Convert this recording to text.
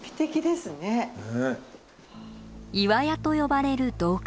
岩屋と呼ばれる洞窟。